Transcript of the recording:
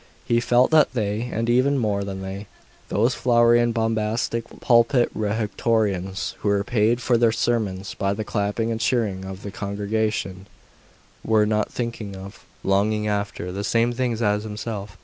He felt that they, and even more than they, those flowery and bombastic pulpit rhetoricians, who were paid for their sermons by the clapping and cheering of the congregation, were not thinking of, longing after, the same things as himself.